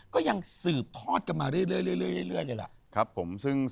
ก็ยังสืบทอดกันมาเรื่อย